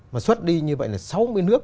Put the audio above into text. mà xuất đi như vậy là sáu mươi nước